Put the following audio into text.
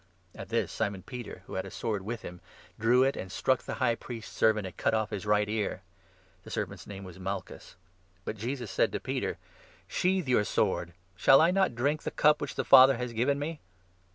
At this, Simon Peter, who had a sword with him, drew it, 10 and struck the High Priest's servant, and cut off his right ear. The servant's name was Malchus. But Jesus said to n Peter :" Sheathe your sword. Shall I not drink the cup which the Father has given me